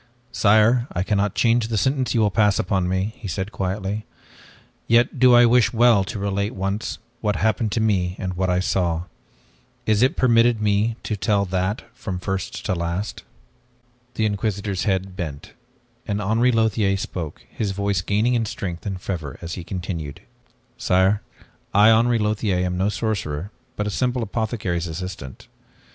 "Sire, I cannot change the sentence you will pass upon me," he said quietly, "yet do I wish well to relate once, what happened to me and what I saw. Is it permitted me to tell that from first to last?" The Inquisitor's head bent, and Henri Lothiere spoke, his voice gaining in strength and fervor as he continued. "Sire, I, Henri Lothiere, am no sorcerer but a simple apothecary's assistant.